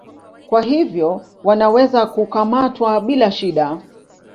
Kwa hivyo wanaweza kukamatwa bila shida.